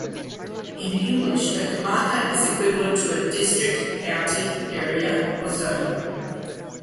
In English, a comarca is equivalent to a district, county, area or zone.